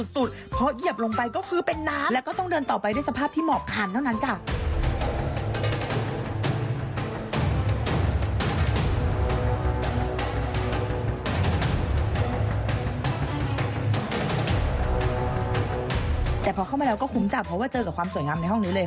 แต่พอเข้ามาแล้วก็คุ้มจัดเพราะว่าเจอกับความสวยงามในห้องนี้เลย